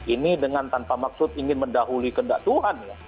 ini dengan tanpa maksud ingin mendahuli kendak tuhan